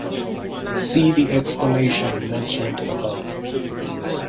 See the explanation mentioned above.